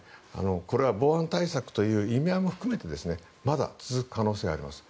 防犯対策という意味合いも含めてまだ続く可能性があります。